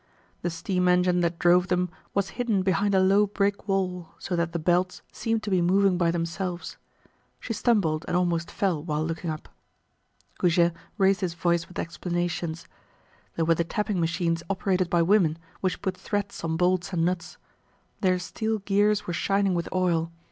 The steam engine that drove them was hidden behind a low brick wall so that the belts seemed to be moving by themselves. She stumbled and almost fell while looking up. Goujet raised his voice with explanations. There were the tapping machines operated by women, which put threads on bolts and nuts. Their steel gears were shining with oil.